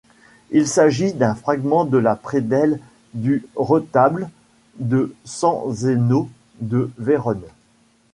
Il s'agit d'un fragment de la prédelle du retable de San Zeno de Vérone.